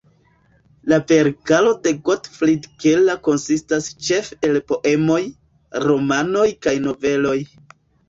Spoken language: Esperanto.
La verkaro de Gottfried Keller konsistas ĉefe el poemoj, romanoj kaj noveloj.